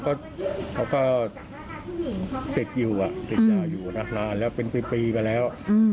เขาก็ติดอยู่ติดยาอยู่นะนานแล้วเป็นปีมาแล้ว